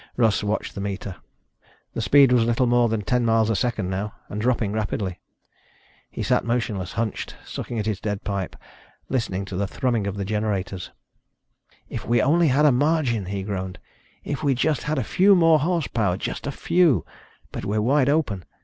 Russ watched the meter. The speed was little more than ten miles a second now and dropping rapidly. He sat motionless, hunched, sucking at his dead pipe, listening to the thrumming of the generators. "If we only had a margin," he groaned. "If we just had a few more horsepower. Just a few. But we're wide open.